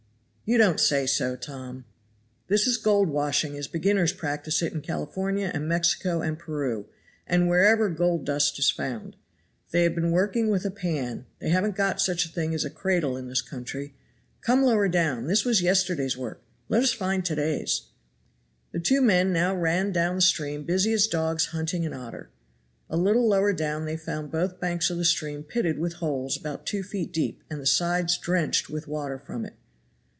"You don't say so, Tom." "This is gold washing as beginners practice it in California and Mexico and Peru, and wherever gold dust is found. They have been working with a pan, they haven't got such a thing as a cradle in this country. Come lower down; this was yesterday's work, let us find to day's." The two men now ran down the stream busy as dogs hunting an otter. A little lower down they found both banks of the stream pitted with holes about two feet deep and the sides drenched with water from it.